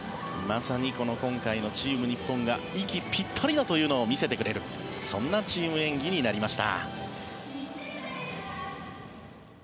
まさに今回のチーム日本の息がぴったりだというそんなチーム演技になりました。